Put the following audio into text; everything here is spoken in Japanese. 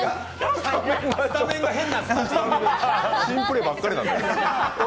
珍プレーばっかり。